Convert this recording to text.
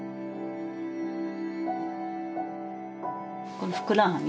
このふくらはぎ？